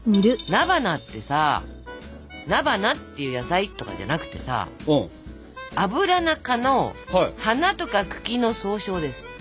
菜花ってさ菜花っていう野菜とかじゃなくてさアブラナ科の花とか茎の総称です。